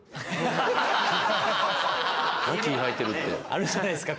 あるじゃないですか